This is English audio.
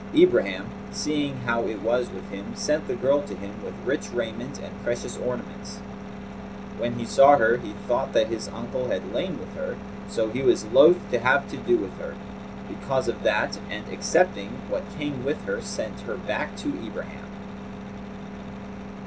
Ibrahim, seeing how it was with him, sent the girl to him, with rich raiment and precious ornaments. When he saw her, he thought that his uncle had lain with her; so he was loath to have to do with her, because of that, and accepting what came with her sent her back to Ibrahim.